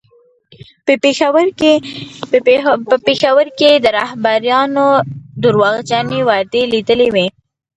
په پېښور کې یې د رهبرانو درواغجنې وعدې لیدلې وې.